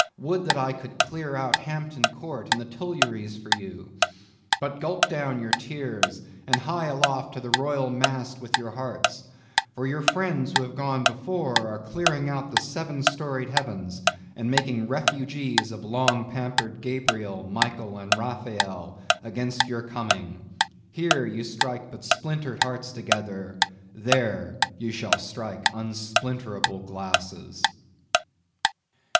Would that I could clear out Hampton Court and the Tuileries for ye! But gulp down your tears and hie aloft to the royal mast with your hearts; for your friends who have gone before are clearing out the seven storied heavens, and making refugees of long pampered Gabriel, Michael, and Raphael, against your coming. Here ye strike but splintered hearts together—there, ye shall strike unsplinterable glasses!